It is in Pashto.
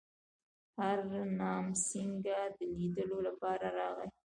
هرنام سینګه د لیدلو لپاره راغی.